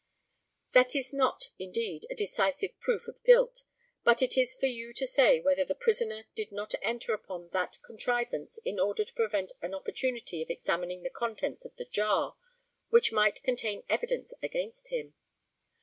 That is not, indeed, a decisive proof of guilt, but it is for you to say whether the prisoner did not enter upon that contrivance in order to prevent an opportunity of examining the contents of the jar, which might contain evidence against him.